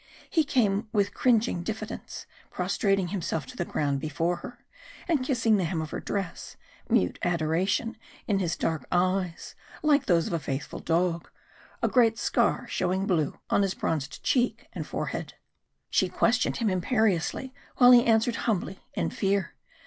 He came with cringing diffidence, prostrating himself to the ground before her, and kissing the hem of her dress, mute adoration in his dark eyes, like those of a faithful dog a great scar showing blue on his bronzed cheek and forehead. She questioned him imperiously, while he answered humbly in fear.